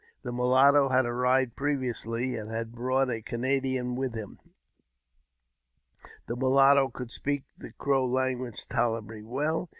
The mulatto had arrived previously, and had brought a Canadian with him : the mulatto could speak the Crow language tolerably well.